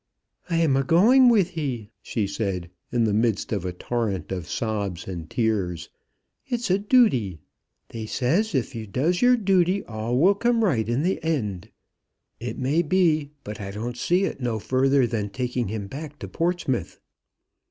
"I am a going with he," she said, in the midst of a torrent of sobs and tears. "It's a dooty. They says if you does your dooty all will come right in the end. It may be, but I don't see it no further than taking him back to Portsmouth."